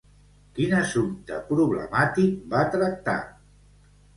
Quin assumpte problemàtic va tractar?